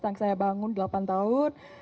yang saya bangun delapan tahun